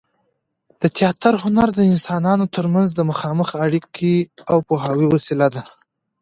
د تياتر هنر د انسانانو تر منځ د مخامخ اړیکې او پوهاوي وسیله ده.